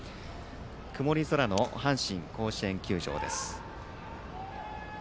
曇り空の阪神甲子園球場です。